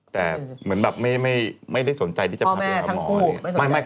แต่เหมือนแบบไม่ได้สนใจที่จะผ่านบัสอยิ์